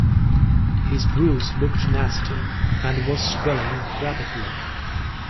His bruise looked nasty, and was swelling rapidly.